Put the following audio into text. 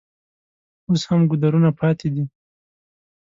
اوس هم ګودرونه پاتې دي.